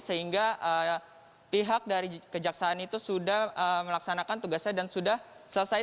sehingga pihak dari kejaksaan itu sudah melaksanakan tugasnya dan sudah selesai